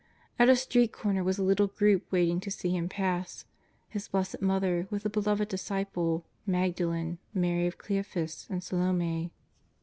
At a street corner was a little group waiting to see Him pass — His Blessed Mother with the Beloved Dis ciple, Magdalen, Mary of Cleophas, and Salome.